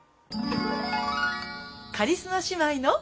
カリスマ姉妹の。